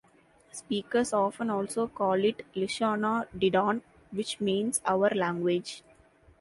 Speakers often also call it Lishana Didan, which means 'our language'.